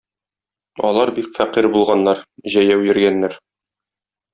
алар бик фәкыйрь булганнар, җәяү йөргәннәр.